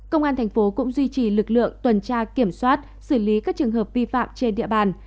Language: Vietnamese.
công an thành phố cũng duy trì lực lượng tuần tra kiểm soát xử lý các trường hợp vi phạm trên địa bàn